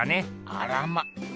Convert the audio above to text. あらま。